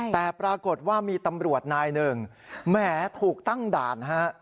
แต่ปรากฏว่ามีตำรวจนายหนึ่งแหมถูกตั้งด่านฮะ